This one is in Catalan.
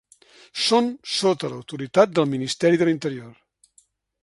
Són sota l'autoritat del Ministeri de l'Interior.